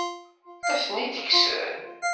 Ad ten-id-kksen?